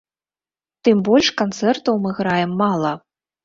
Тым больш, канцэртаў мы граем мала.